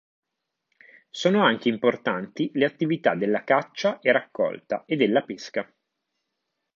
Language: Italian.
Sono anche importanti le attività della caccia e raccolta e della pesca.